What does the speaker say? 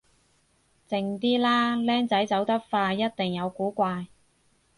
靜啲啦，僆仔走得快一定有古怪